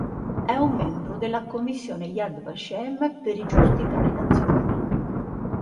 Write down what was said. È un membro della commissione Yad Vashem per i giusti tra le nazioni.